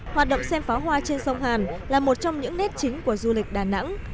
hoạt động xem pháo hoa trên sông hàn là một trong những nét chính của du lịch đà nẵng